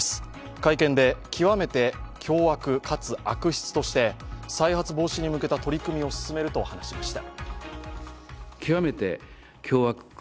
会見で、極めて凶悪、かつ悪質として再発防止に向けた取り組みを進めると話しました。